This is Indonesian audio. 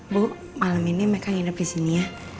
bu malam ini meka nginep disini ya